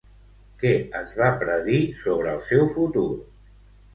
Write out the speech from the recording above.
Què es va predir sobre el seu futur?